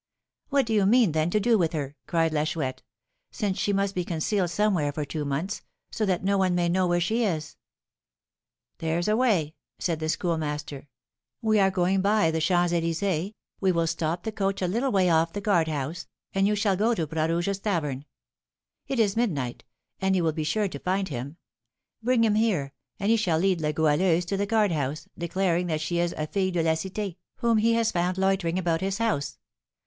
'What do you mean, then, to do with her,' cried La Chouette, 'since she must be concealed somewhere for two months, so that no one may know where she is?' 'There's a way,' said the Schoolmaster. 'We are going by the Champs Elysées; we will stop the coach a little way off the guard house, and you shall go to Bras Rouge's tavern. It is midnight, and you will be sure to find him; bring him here, and he shall lead La Goualeuse to the guard house, declaring that she is a fille de la Cité, whom he has found loitering about his house.